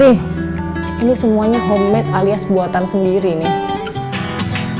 roti kemudian dipotong dan disusun dengan selada tomat bawang bombay mayonaise keju dan daging